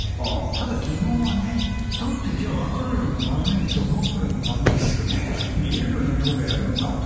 ただ疑問はね、だってじゃあ分かるような万年筆を、モンブランの万年筆をね、見えるような所でやるのかと。